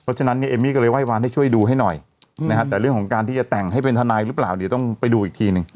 เพราะฉะนั้นเนี่ยเอมมี่ก็เลยไห้วานให้ช่วยดูให้หน่อยนะฮะแต่เรื่องของการที่จะแต่งให้เป็นทนายหรือเปล่าเดี๋ยวต้องไปดูอีกทีหนึ่ง